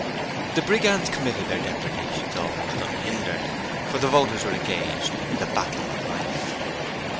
The Brigands committed their depredations almost unhindered, for the voters were engaged in the Battle of Life.